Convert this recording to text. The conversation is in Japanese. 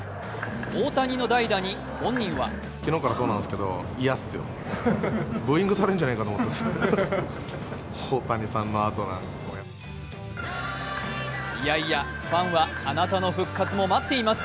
大谷の代打に本人はいやいや、ファンはあなたの復活も待っています。